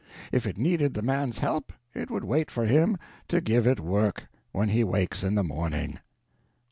If it needed the man's help it would wait for him to give it work when he wakes in the morning.